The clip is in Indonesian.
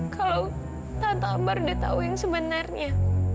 kalau tante ambar udah tahu yang sebenarnya